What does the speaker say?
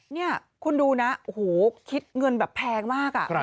นี่คุณดูนะโอ้โหคิดเงินแบบแพงมาก